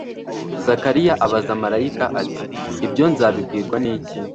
Zakariya abaza marayika ati: “Ibyo nzabibwirwa n'iki,